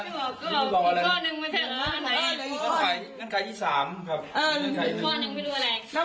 ก็เอานึงมันใช่มั้ย